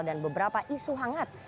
dan beberapa isu hangat